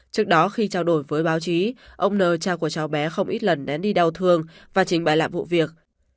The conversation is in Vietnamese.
trước đó khi trao đổi với báo chí ông n trao của cháu bé không ít lần nén đi đau thương và trình bày lại vụ việc